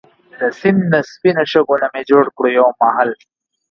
دا سیند دا سپينو شګو نه مي جوړ کړو يو محل